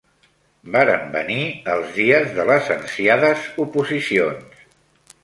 Varen venir els dies de les ansiades oposicions.